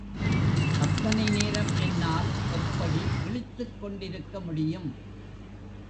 அத்தனைநேரம் என்னால் எப்படி விழித்துக் கொண்டிருக்க முடியும்!